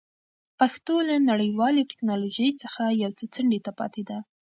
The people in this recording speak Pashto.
پښتو له نړیوالې ټکنالوژۍ څخه یو څه څنډې ته پاتې ده.